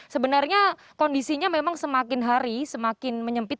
sebenarnya kondisinya memang semakin hari semakin menyempit